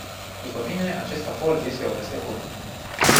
După mine, acest acord este o veste bună.